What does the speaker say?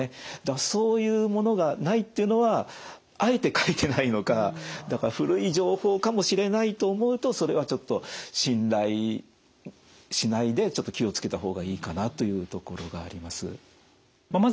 そういうものがないっていうのはあえて書いてないのかだから古い情報かもしれないと思うとそれはちょっと信頼しないでちょっと気を付けた方がいいかなというところがあります。